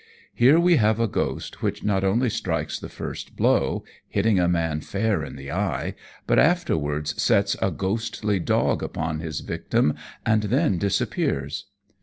Here we have a ghost which not only strikes the first blow, hitting a man fair in the eye, but afterwards sets a ghostly dog upon his victim and then disappears.